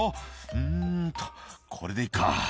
「うんとこれでいいか」